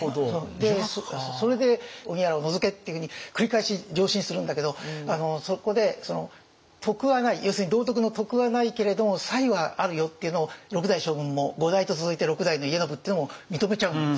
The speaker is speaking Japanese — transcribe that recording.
それで荻原を除けっていうふうに繰り返し上申するんだけどそこで徳はない要するに道徳の徳はないけれども才はあるよっていうのを六代将軍も五代と続いて六代の家宣っていうのも認めちゃうんですね。